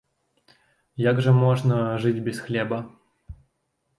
Як жа можна жыць без хлеба?